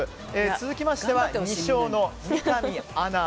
続きましては２勝の三上アナ。